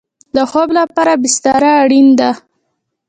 د خوب لپاره بستره اړین ده